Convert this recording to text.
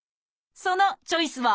そのチョイスは？